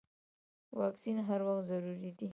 واکسین هر وخت ضروري دی.